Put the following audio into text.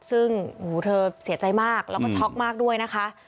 ซึ่งเธอเสียใจมากแล้วก็ช็อกมากด้วยนะคะ